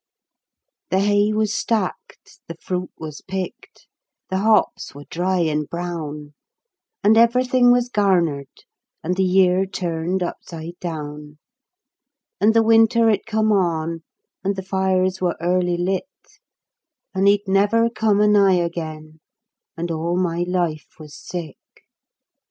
The hay was stacked, the fruit was picked, the hops were dry and brown, And everything was garnered, and the year turned upside down , And the winter it come on, and the fires were early lit, And he'd never come anigh again, and all my life was sick.